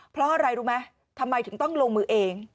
เพราะอะไรรู้ไหมทำไมถึงต้องลงมือเอง